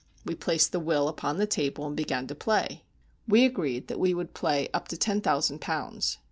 We placed the will upon the table, and began to play. We agreed that we would play up to ten thousand pounds.